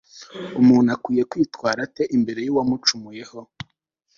umuntu akwiye kwitwara ate imbere y'uwamucumuyeho